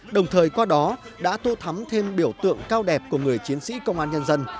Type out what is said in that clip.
đồng thời qua đó đã tô thắm thêm biểu tượng cao đẹp của người chiến sĩ công an nhân dân